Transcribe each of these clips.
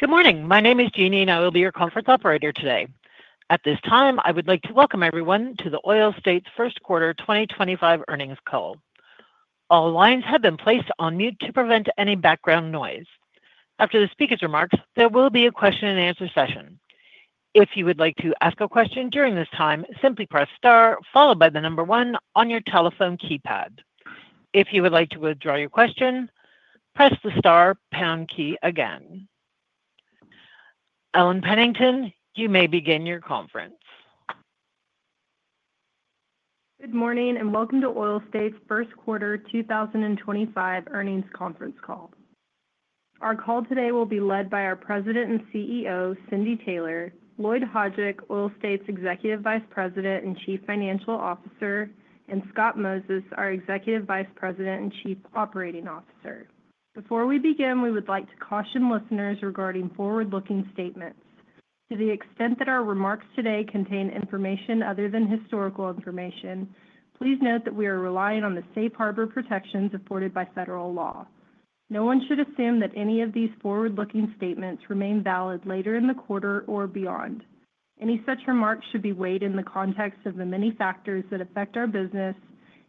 Good morning. My name is Jeannie, and I will be your conference operator today. At this time, I would like to welcome everyone to the Oil States First Quarter 2025 Earnings Call. All lines have been placed on mute to prevent any background noise. After the speaker's remarks, there will be a question-and-answer session. If you would like to ask a question during this time, simply press star followed by the number one on your telephone keypad. If you would like to withdraw your question, press the star pound key again. Ellen Pennington, you may begin your conference. Good morning and welcome to Oil States First Quarter 2025 Earnings Conference Call. Our call today will be led by our President and CEO, Cindy Taylor, Lloyd Hajdik, Oil States Executive Vice President and Chief Financial Officer, and Scott Moses, our Executive Vice President and Chief Operating Officer. Before we begin, we would like to caution listeners regarding forward-looking statements. To the extent that our remarks today contain information other than historical information, please note that we are relying on the safe harbor protections afforded by federal law. No one should assume that any of these forward-looking statements remain valid later in the quarter or beyond. Any such remarks should be weighed in the context of the many factors that affect our business,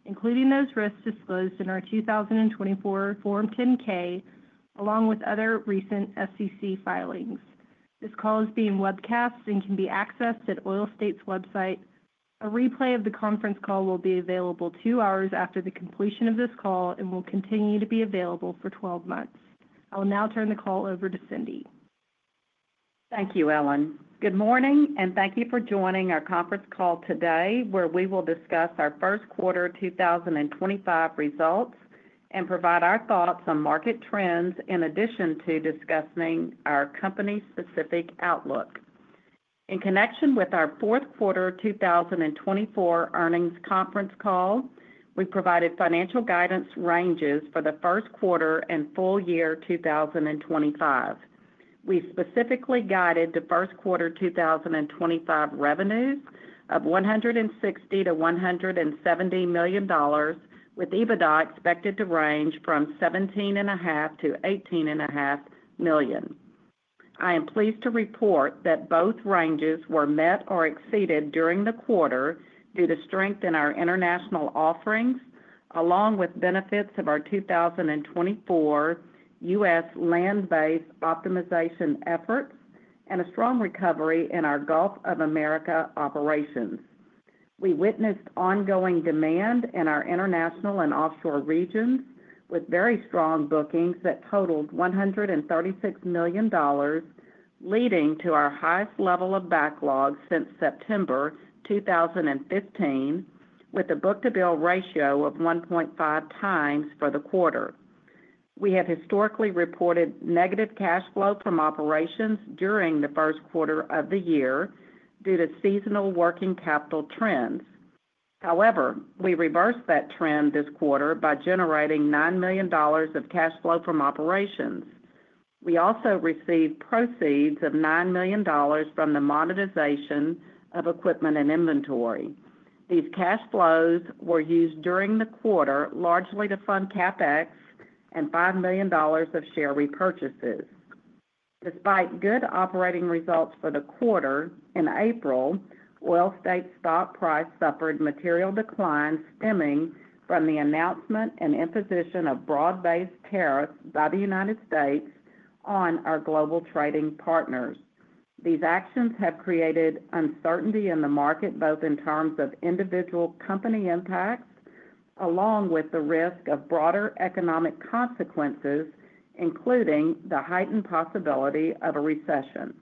including those risks disclosed in our 2024 Form 10-K, along with other recent SEC filings. This call is being webcast and can be accessed at Oil States' website. A replay of the conference call will be available two hours after the completion of this call and will continue to be available for 12 months. I will now turn the call over to Cindy. Thank you, Ellen. Good morning, and thank you for joining our conference call today, where we will discuss our first quarter 2025 results and provide our thoughts on market trends, in addition to discussing our company-specific outlook. In connection with our fourth quarter 2024 earnings conference call, we provided financial guidance ranges for the first quarter and full year 2025. We specifically guided the first quarter 2025 revenues of $160 million-$170 million, with EBITDA expected to range from $17.5 million-$18.5 million. I am pleased to report that both ranges were met or exceeded during the quarter due to strength in our international offerings, along with benefits of our 2024 U.S. land-based optimization efforts and a strong recovery in our Gulf of America operations. We witnessed ongoing demand in our international and offshore regions, with very strong bookings that totaled $136 million, leading to our highest level of backlog since September 2015, with a book-to-bill ratio of 1.5 times for the quarter. We have historically reported negative cash flow from operations during the first quarter of the year due to seasonal working capital trends. However, we reversed that trend this quarter by generating $9 million of cash flow from operations. We also received proceeds of $9 million from the monetization of equipment and inventory. These cash flows were used during the quarter, largely to fund CapEx and $5 million of share repurchases. Despite good operating results for the quarter, in April, Oil States' stock price suffered material decline stemming from the announcement and imposition of broad-based tariffs by the U.S. on our global trading partners. These actions have created uncertainty in the market, both in terms of individual company impacts along with the risk of broader economic consequences, including the heightened possibility of a recession.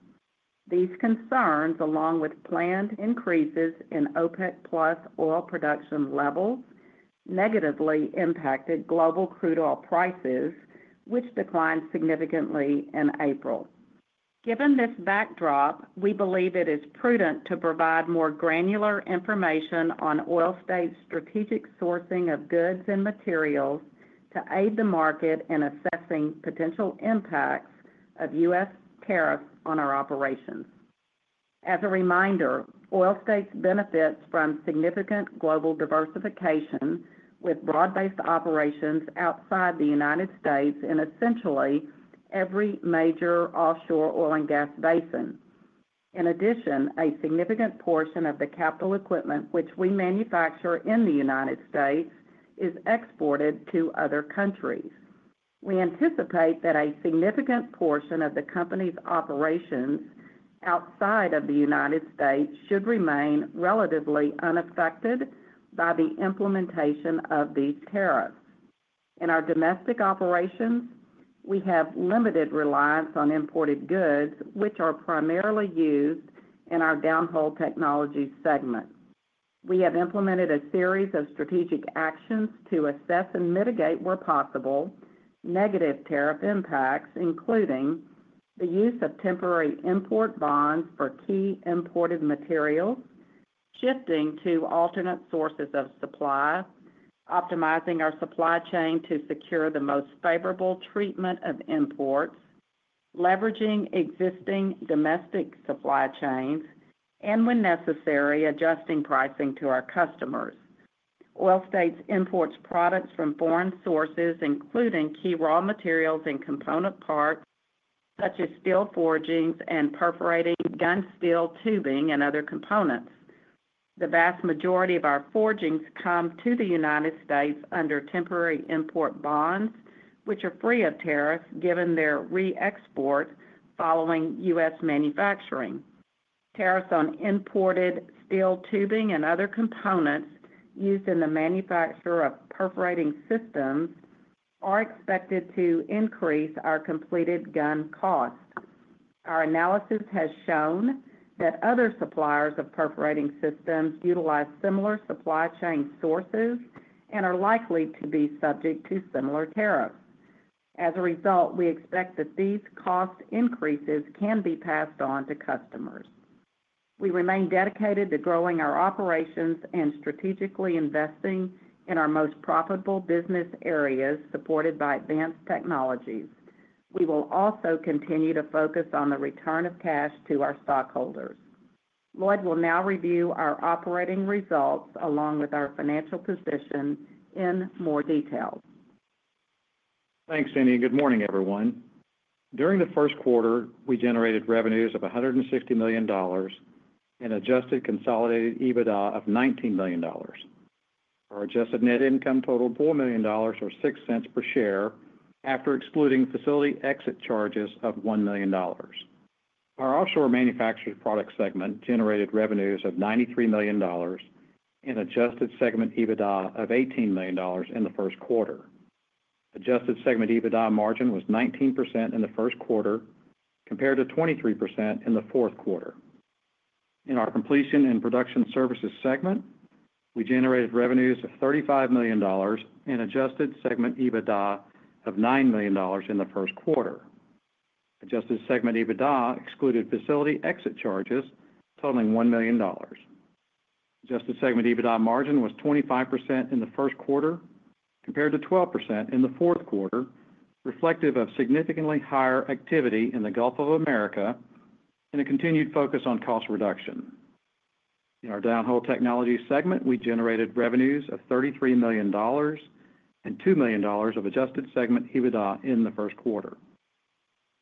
These concerns, along with planned increases in OPEC Plus oil production levels, negatively impacted global crude oil prices, which declined significantly in April. Given this backdrop, we believe it is prudent to provide more granular information on Oil States' strategic sourcing of goods and materials to aid the market in assessing potential impacts of U.S. tariffs on our operations. As a reminder, Oil States benefits from significant global diversification with broad-based operations outside the U.S. in essentially every major offshore oil and gas basin. In addition, a significant portion of the capital equipment, which we manufacture in the U.S., is exported to other countries. We anticipate that a significant portion of the company's operations outside of the U.S. should remain relatively unaffected by the implementation of these tariffs. In our domestic operations, we have limited reliance on imported goods, which are primarily used in our downhole technology segment. We have implemented a series of strategic actions to assess and mitigate, where possible, negative tariff impacts, including the use of temporary import bonds for key imported materials, shifting to alternate sources of supply, optimizing our supply chain to secure the most favorable treatment of imports, leveraging existing domestic supply chains, and when necessary, adjusting pricing to our customers. Oil States imports products from foreign sources, including key raw materials and component parts, such as steel forgings and perforating gun steel tubing and other components. The vast majority of our forgings come to the U.S. under temporary import bonds, which are free of tariffs given their re-export following U.S. manufacturing. Tariffs on imported steel tubing and other components used in the manufacture of perforating systems are expected to increase our completed gun cost. Our analysis has shown that other suppliers of perforating systems utilize similar supply chain sources and are likely to be subject to similar tariffs. As a result, we expect that these cost increases can be passed on to customers. We remain dedicated to growing our operations and strategically investing in our most profitable business areas supported by advanced technologies. We will also continue to focus on the return of cash to our stockholders. Lloyd will now review our operating results along with our financial position in more detail. Thanks, Cindy. Good morning, everyone. During the first quarter, we generated revenues of $160 million and adjusted consolidated EBITDA of $19 million. Our adjusted net income totaled $4 million or $0.06 per share after excluding facility exit charges of $1 million. Our Offshore Manufactured Products segment generated revenues of $93 million and adjusted segment EBITDA of $18 million in the first quarter. Adjusted segment EBITDA margin was 19% in the first quarter compared to 23% in the fourth quarter. In our Completion and Production Services segment, we generated revenues of $35 million and adjusted segment EBITDA of $9 million in the first quarter. Adjusted segment EBITDA excluded facility exit charges totaling $1 million. Adjusted segment EBITDA margin was 25% in the first quarter compared to 12% in the fourth quarter, reflective of significantly higher activity in the Gulf of America and a continued focus on cost reduction. In our Downhole Technologies segment, we generated revenues of $33 million and $2 million of adjusted segment EBITDA in the first quarter.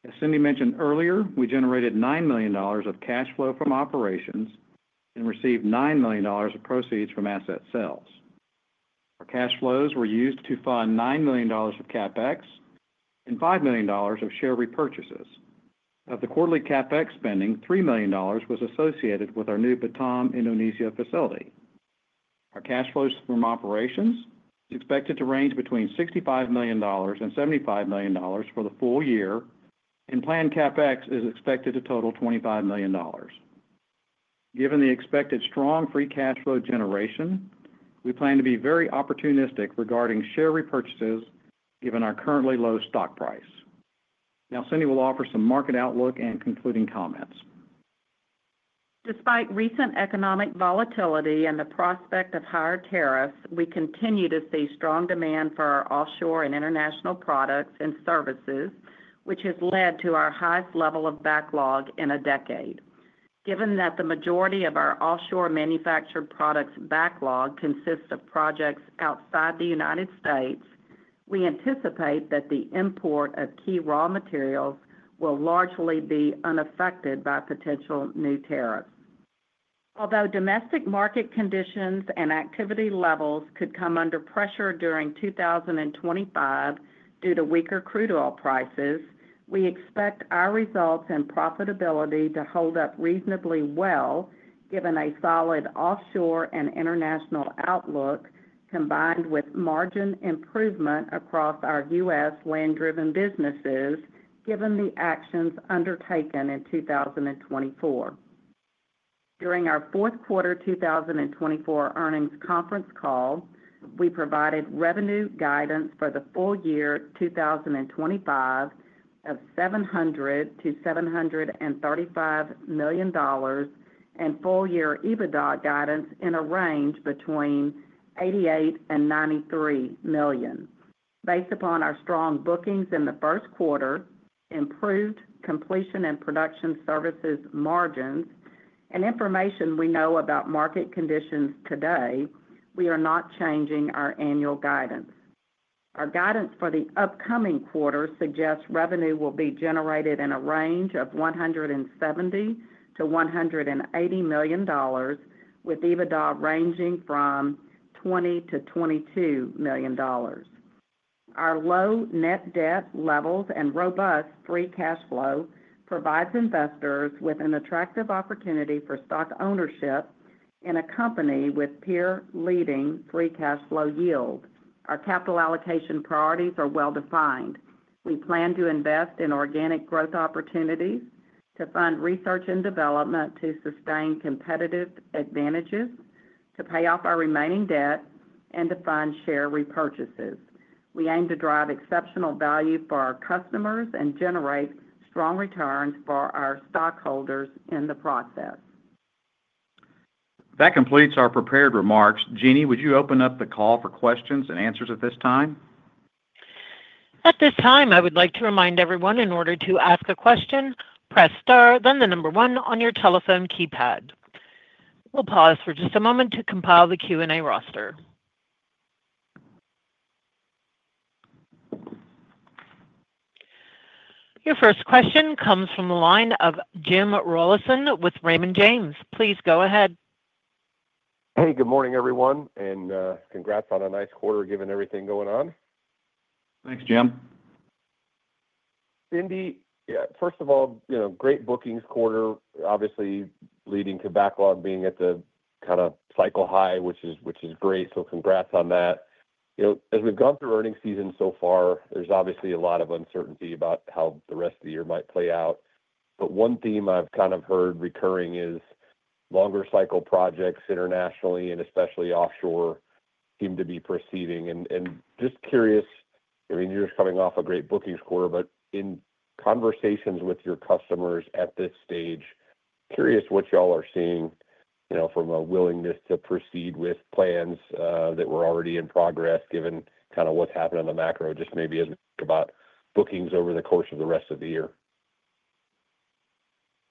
As Cindy mentioned earlier, we generated $9 million of cash flow from operations and received $9 million of proceeds from asset sales. Our cash flows were used to fund $9 million of CapEx and $5 million of share repurchases. Of the quarterly CapEx spending, $3 million was associated with our new Batam, Indonesia, facility. Our cash flows from operations is expected to range between $65 million and $75 million for the full year, and planned CapEx is expected to total $25 million. Given the expected strong free cash flow generation, we plan to be very opportunistic regarding share repurchases given our currently low stock price. Now, Cindy will offer some market outlook and concluding comments. Despite recent economic volatility and the prospect of higher tariffs, we continue to see strong demand for our offshore and international products and services, which has led to our highest level of backlog in a decade. Given that the majority of our offshore manufactured products backlog consists of projects outside the U.S., we anticipate that the import of key raw materials will largely be unaffected by potential new tariffs. Although domestic market conditions and activity levels could come under pressure during 2025 due to weaker crude oil prices, we expect our results and profitability to hold up reasonably well given a solid offshore and international outlook combined with margin improvement across our U.S. land-driven businesses given the actions undertaken in 2024. During our fourth quarter 2024 earnings conference call, we provided revenue guidance for the full year 2025 of $700 million-$735 million and full year EBITDA guidance in a range between $88 million and $93 million. Based upon our strong bookings in the first quarter, improved Completion and Production Services margins, and information we know about market conditions today, we are not changing our annual guidance. Our guidance for the upcoming quarter suggests revenue will be generated in a range of $170 million-$180 million, with EBITDA ranging from $20 million-$22 million. Our low net debt levels and robust free cash flow provide investors with an attractive opportunity for stock ownership in a company with peer-leading free cash flow yield. Our capital allocation priorities are well-defined. We plan to invest in organic growth opportunities to fund research and development to sustain competitive advantages, to pay off our remaining debt, and to fund share repurchases. We aim to drive exceptional value for our customers and generate strong returns for our stockholders in the process. That completes our prepared remarks. Jeannie, would you open up the call for questions and answers at this time? At this time, I would like to remind everyone in order to ask a question, press Star, then the number one on your telephone keypad. We'll pause for just a moment to compile the Q&A roster. Your first question comes from the line of Jim Rawlinson with Raymond James. Please go ahead. Hey, good morning, everyone, and congrats on a nice quarter given everything going on. Thanks, Jim. Cindy, first of all, great bookings quarter, obviously leading to backlog being at the kind of cycle high, which is great. Congrats on that. As we've gone through earnings season so far, there's obviously a lot of uncertainty about how the rest of the year might play out. One theme I've kind of heard recurring is longer cycle projects internationally and especially offshore seem to be proceeding. I mean, you're just coming off a great bookings quarter, but in conversations with your customers at this stage, curious what y'all are seeing from a willingness to proceed with plans that were already in progress given kind of what's happened on the macro just maybe as we think about bookings over the course of the rest of the year.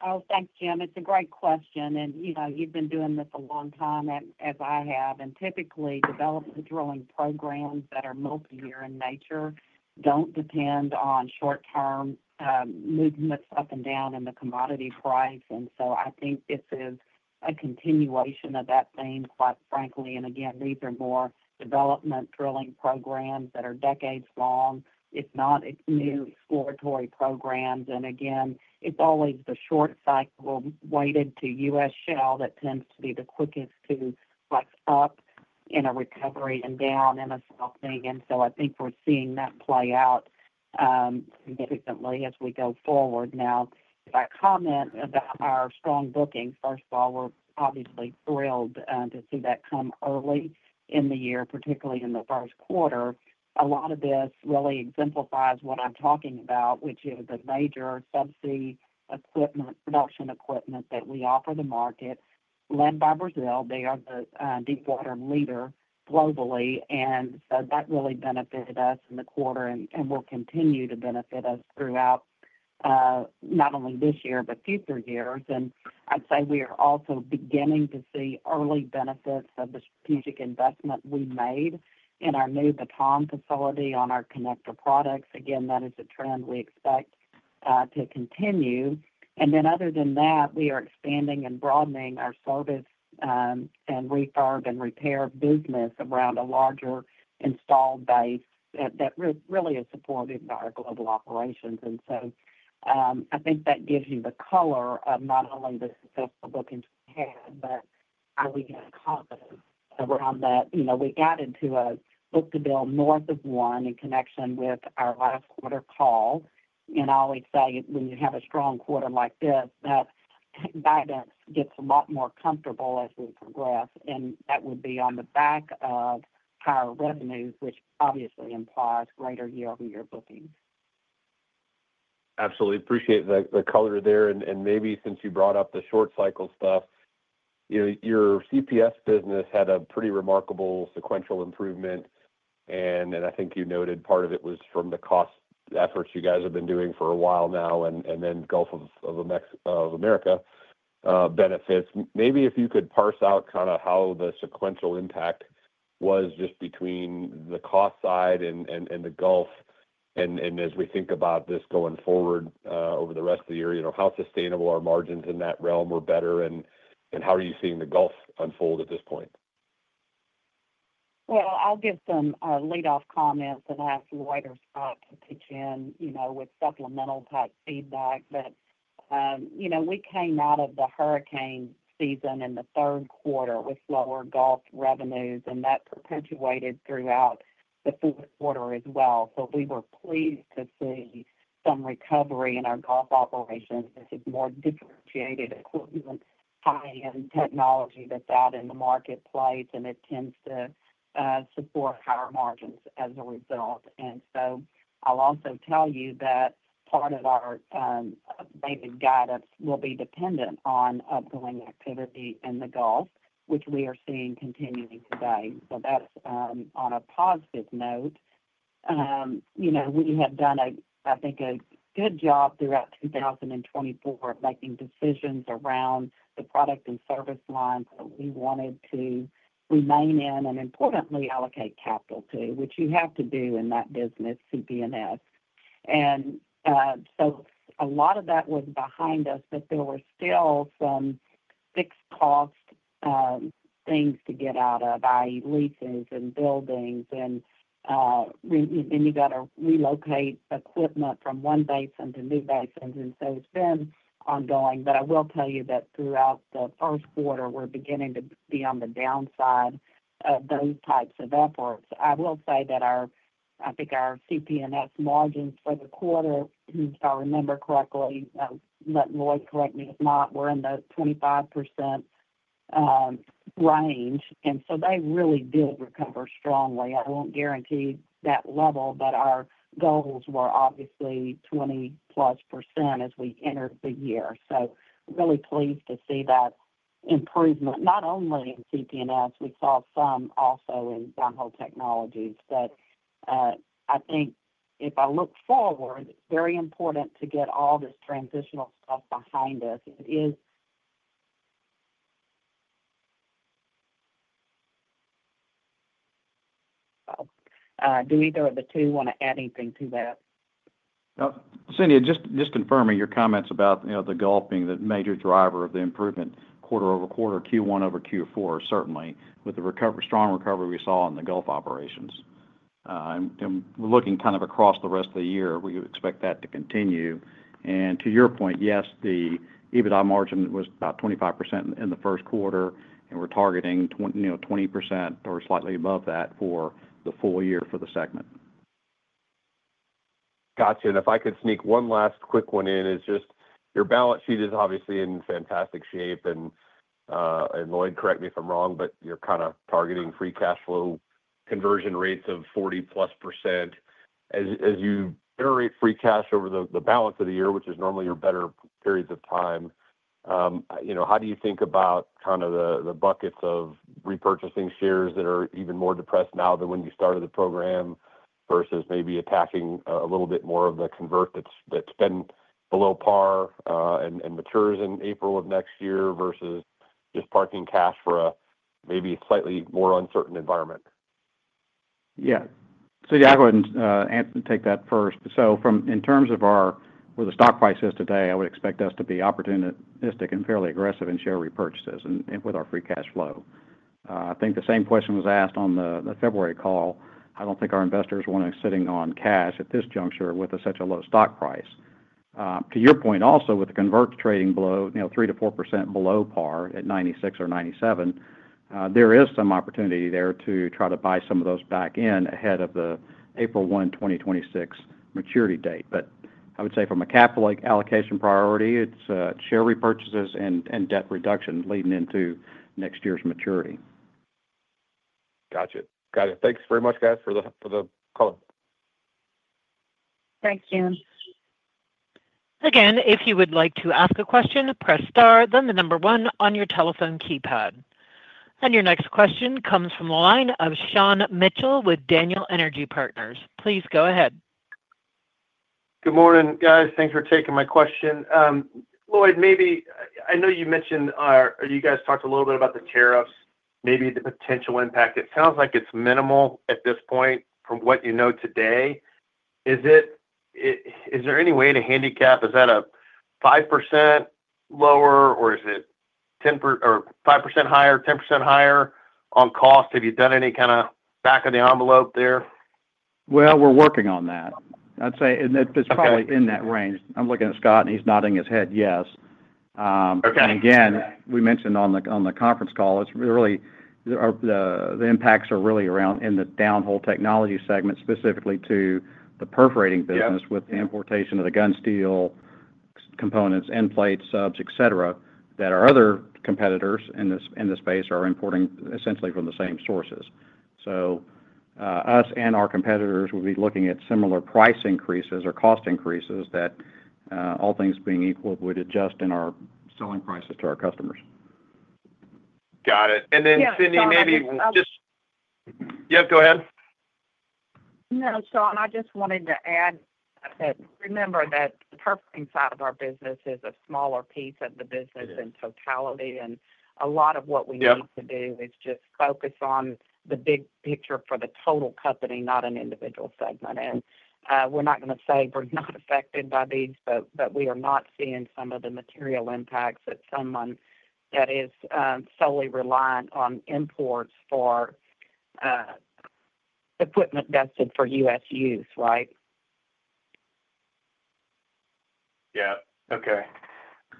Oh, thanks, Jim. It's a great question. You've been doing this a long time as I have. Typically, development drilling programs that are multi-year in nature don't depend on short-term movements up and down in the commodity price. I think this is a continuation of that theme, quite frankly. These are more development drilling programs that are decades long. It's not new exploratory programs. It's always the short cycle weighted to U.S. shell that tends to be the quickest to flex up in a recovery and down in a cycle. I think we're seeing that play out significantly as we go forward. If I comment about our strong bookings, first of all, we're obviously thrilled to see that come early in the year, particularly in the first quarter. A lot of this really exemplifies what I'm talking about, which is the major subsea equipment production equipment that we offer the market led by Brazil. They are the deep water leader globally. That really benefited us in the quarter and will continue to benefit us throughout not only this year but future years. I'd say we are also beginning to see early benefits of the strategic investment we made in our new Batam facility on our connector products. Again, that is a trend we expect to continue. Other than that, we are expanding and broadening our service and refurb and repair business around a larger installed base that really is supported by our global operations. I think that gives you the color of not only the successful bookings we had, but how we got confident around that. We got into a book-to-bill north of one in connection with our last quarter call. I always say when you have a strong quarter like this, that guidance gets a lot more comfortable as we progress. That would be on the back of higher revenues, which obviously implies greater year-over-year bookings. Absolutely. Appreciate the color there. Maybe since you brought up the short cycle stuff, your CPS business had a pretty remarkable sequential improvement. I think you noted part of it was from the cost efforts you guys have been doing for a while now and then Gulf of America benefits. Maybe if you could parse out kind of how the sequential impact was just between the cost side and the Gulf, and as we think about this going forward over the rest of the year, how sustainable are margins in that realm or better, and how are you seeing the Gulf unfold at this point? I'll give some lead-off comments and ask Lloyd to pitch in with supplemental type feedback. We came out of the hurricane season in the third quarter with lower Gulf revenues, and that perpetuated throughout the fourth quarter as well. We were pleased to see some recovery in our Gulf operations. This is more differentiated equipment, high-end technology that's out in the marketplace, and it tends to support higher margins as a result. I'll also tell you that part of our updated guidance will be dependent on upgoing activity in the Gulf, which we are seeing continuing today. That's on a positive note. We have done, I think, a good job throughout 2024 of making decisions around the product and service lines that we wanted to remain in and, importantly, allocate capital to, which you have to do in that business, CP&S. A lot of that was behind us, but there were still some fixed cost things to get out of, i.e., leases and buildings. You have to relocate equipment from one basin to new basins. It has been ongoing. I will tell you that throughout the first quarter, we are beginning to be on the downside of those types of efforts. I will say that I think our CP&S margins for the quarter, if I remember correctly, let Lloyd correct me if not, were in the 25% range. They really did recover strongly. I will not guarantee that level, but our goals were obviously 20% plus as we entered the year. Really pleased to see that improvement, not only in CP&S. We saw some also in downhole technologies. I think if I look forward, it's very important to get all this transitional stuff behind us. Do either of the two want to add anything to that? Cindy, just confirming your comments about the Gulf being the major driver of the improvement quarter over quarter, Q1 over Q4, certainly, with the strong recovery we saw in the Gulf operations. We are looking kind of across the rest of the year. We expect that to continue. To your point, yes, the EBITDA margin was about 25% in the first quarter, and we are targeting 20% or slightly above that for the full year for the segment. Gotcha. If I could sneak one last quick one in, it's just your balance sheet is obviously in fantastic shape. Lloyd, correct me if I'm wrong, but you're kind of targeting free cash flow conversion rates of 40+%. As you generate free cash over the balance of the year, which is normally your better periods of time, how do you think about kind of the buckets of repurchasing shares that are even more depressed now than when you started the program versus maybe attacking a little bit more of the convert that's been below par and matures in April of next year versus just parking cash for a maybe slightly more uncertain environment? Yeah. Yeah, I'll go ahead and take that first. In terms of where the stock price is today, I would expect us to be opportunistic and fairly aggressive in share repurchases with our free cash flow. I think the same question was asked on the February call. I don't think our investors want to be sitting on cash at this juncture with such a low stock price. To your point, also with the convert trading below 3%-4% below par at 96 or 97, there is some opportunity there to try to buy some of those back in ahead of the April 1, 2026 maturity date. I would say from a capital allocation priority, it's share repurchases and debt reduction leading into next year's maturity. Gotcha. Gotcha. Thanks very much, guys, for the call. Thanks, Jim. Again, if you would like to ask a question, press Star, then the number one on your telephone keypad. Your next question comes from the line of Sean Mitchell with Daniel Energy Partners. Please go ahead. Good morning, guys. Thanks for taking my question. Lloyd, maybe I know you mentioned or you guys talked a little bit about the tariffs, maybe the potential impact. It sounds like it's minimal at this point from what you know today. Is there any way to handicap? Is that a 5% lower, or is it 5% higher, 10% higher on cost? Have you done any kind of back of the envelope there? We're working on that. I'd say that's probably in that range. I'm looking at Scott, and he's nodding his head, yes. Again, we mentioned on the conference call, the impacts are really around in the Downhole Technologies segment, specifically to the perforating business with the importation of the gun steel components, endplates, subs, etc., that our other competitors in the space are importing essentially from the same sources. Us and our competitors would be looking at similar price increases or cost increases that, all things being equal, would adjust in our selling prices to our customers. Got it. Cindy, maybe just yep, go ahead. No, Sean, I just wanted to add that remember that the perforating side of our business is a smaller piece of the business in totality. A lot of what we need to do is just focus on the big picture for the total company, not an individual segment. We are not going to say we are not affected by these, but we are not seeing some of the material impacts that someone that is solely reliant on imports for equipment vested for U.S. use, right? Yeah. Okay.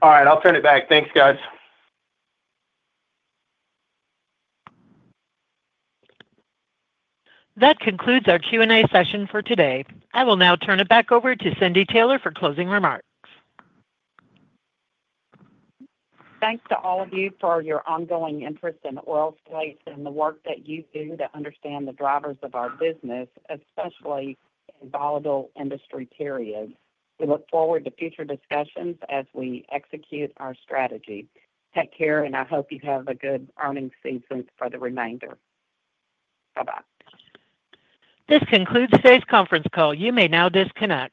All right. I'll turn it back. Thanks, guys. That concludes our Q&A session for today. I will now turn it back over to Cindy Taylor for closing remarks. Thanks to all of you for your ongoing interest in the oil space and the work that you do to understand the drivers of our business, especially in volatile industry periods. We look forward to future discussions as we execute our strategy. Take care, and I hope you have a good earnings season for the remainder. Bye-bye. This concludes today's conference call. You may now disconnect.